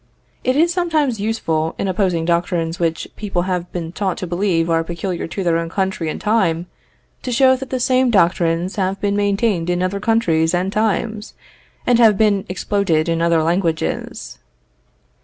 It is sometimes useful, in opposing doctrines which people have been taught to believe are peculiar to their own country and time, to show that the same doctrines have been maintained in other countries and times, and have been exploded in other languages.